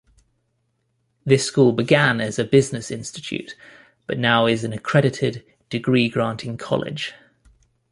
This school began as a business institute, but now is an accredited degree-granting college.